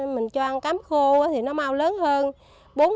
mình cho ăn cắm khô thì nó mau lớn hơn